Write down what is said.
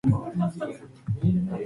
鳴き声が森に響く。